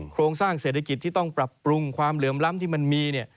โครงสร้างเศรษฐกิจที่ต้องปรับปรุงความเหลื่อมล้ำที่มันมี